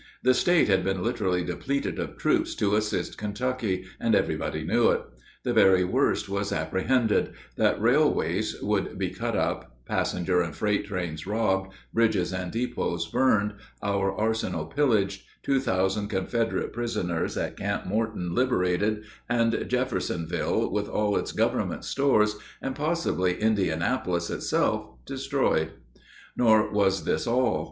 The State had been literally depleted of troops to assist Kentucky, and everybody knew it. The very worst was apprehended that railways would be cut up, passenger and freight trains robbed, bridges and depots burned, our arsenal pillaged, two thousand Confederate prisoners at Camp Morton liberated, and Jeffersonville, with all its Government stores, and possibly Indianapolis itself, destroyed. Nor was this all.